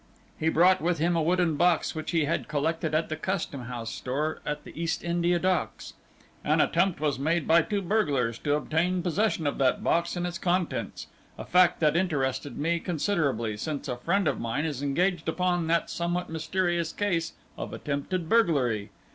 He brought with him a wooden box which he had collected at the Custom House store at the East India Docks. An attempt was made by two burglars to obtain possession of that box and its contents, a fact that interested me considerably, since a friend of mine is engaged upon that somewhat mysterious case of attempted burglary.